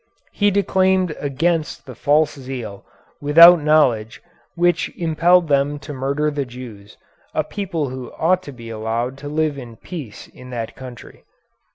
He declaimed against the false zeal, without knowledge, which impelled them to murder the Jews, a people who ought to be allowed to live in peace in the country."